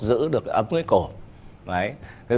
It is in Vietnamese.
giữ được ấm cái cổ